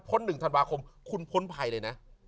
๑ธันวาคมคุณพ้นภัยเลยนะ